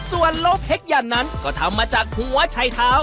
ส่วนโลเค้กยันนั้นก็ทำมาจากหัวชัยเท้า